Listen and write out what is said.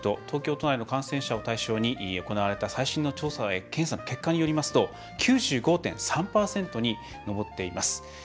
東京都内の感染者を対象に行われた最新の検査の結果によりますと９５．３％に上っています。